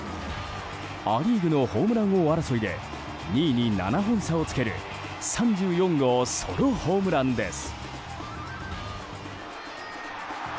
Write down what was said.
ア・リーグのホームラン王争いで２位に７本差をつける３４号ソロホームランです。